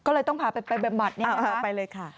ก็เลยต้องพาไปบำบัดต่อไปเลยค่ะ